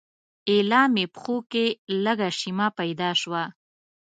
ایله مې پښو کې لږه شیمه پیدا شوه.